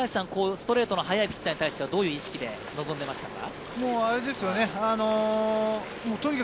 ストレートの速いピッチャーに対してはどういう意識で臨んでいましたか？